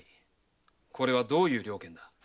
これはどういう了見だ？